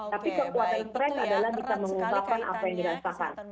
tapi kekuatan stress adalah kita mengusahakan apa yang dirasakan